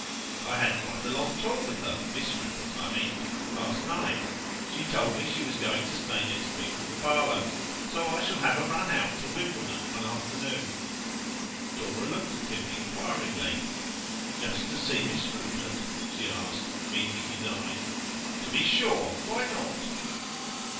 I had quite a long talk with her Miss Rupert, I mean last night. She told me she was going to stay next week with the Barlows, so I shall have a run out to Wimbledon one afternoon.' Dora looked at him inquiringly. 'Just to see Miss Rupert?' she asked, meeting his eyes. 'To be sure. Why not?